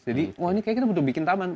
jadi wah ini kayaknya kita butuh bikin taman